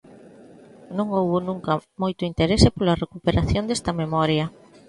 Non houbo nunca moito interese pola recuperación desta memoria.